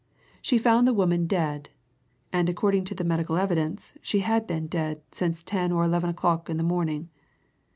She found the woman dead and according to the medical evidence she had been dead since ten or eleven o'clock in the morning.